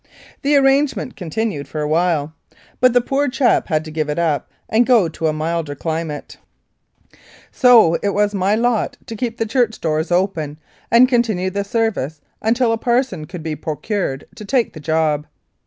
This arrangement continued a while, but 44 1888. Lethbridge the poor chap had to give it up and go to a milder climate. So it was my lot to keep the church doors open and continue the service until a parson could be procured to take the job.